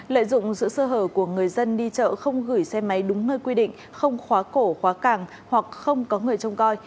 lợi dụng sự sơ hở của người dân đi chợ không gửi xe máy đúng nơi quy định không khóa cổ khóa càng hoặc không có người trông coi